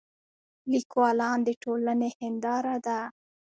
لیکوالان د ټولنې هنداره ده.